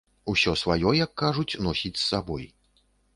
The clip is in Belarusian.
Усё сваё, як кажуць, носіць з сабой.